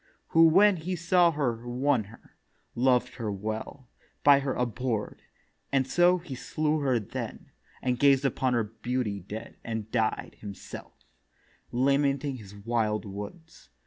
Who when he saw her won her; loved her well; By her abhor'd: and so he slew her then, And gazed upon her beauty dead, and died Himself, lamenting his wild woods.